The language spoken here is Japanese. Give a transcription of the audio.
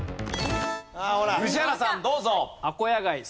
宇治原さんどうぞ。